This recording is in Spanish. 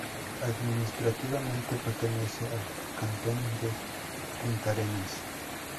Administrativamente, pertenece al cantón de Puntarenas.